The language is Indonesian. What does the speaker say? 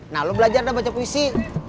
nah lo belajar deh baca puisi